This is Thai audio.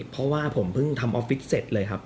เพราะว่าผมเพิ่งทำออฟฟิศเสร็จเลยครับ